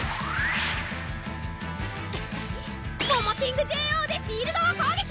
モモキングＪＯでシールドを攻撃！